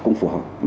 cũng phù hợp